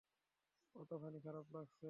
কতখানি খারাপ লাগছে?